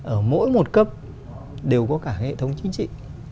ở mỗi một cấp đều có cả hệ thống chính trị